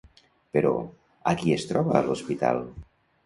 Però, a qui es troba a l'hospital?